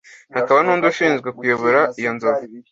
hakaba n'undi ushinzwe kuyobora iyo nzovu